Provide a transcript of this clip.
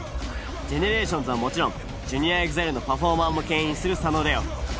ＧＥＮＥＲＡＴＩＯＮＳはもちろんＪｒ．ＥＸＩＬＥのパフォーマーもけん引する佐野玲於。